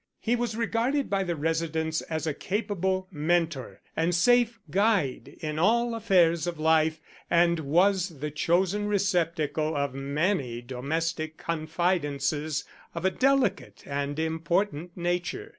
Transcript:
He was regarded by the residents as a capable mentor and safe guide in all affairs of life, and was the chosen receptacle of many domestic confidences of a delicate and important nature.